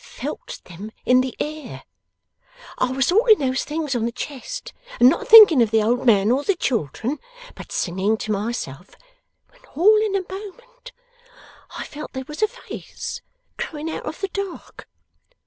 Felt them in the air. I was sorting those things on the chest, and not thinking of the old man or the children, but singing to myself, when all in a moment I felt there was a face growing out of the dark.